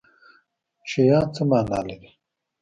شیان څه معنی لري